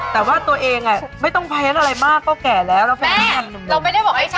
แต่ว่าตัวเองไม่ต้องไฟล์อะไรมากก็แก่แล้วแม่เราไม่ได้บอกให้แก่